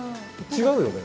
違うよね？